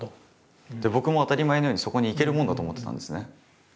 僕も当たり前のようにそこに行けるもんだと思ってたんですね。